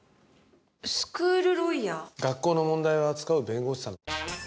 学校の問題を扱う弁護士さん。